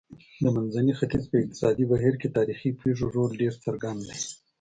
د منځني ختیځ په اقتصادي بهیر کې تاریخي پېښو رول ډېر څرګند دی.